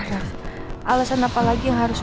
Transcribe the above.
biar gua bisa nolak permintaan riki